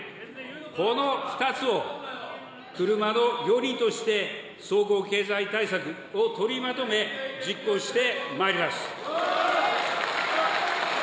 この２つを車の両輪として総合経済対策を取りまとめ、実行してまいります。